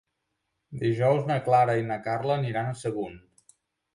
Dijous na Clara i na Carla aniran a Sagunt.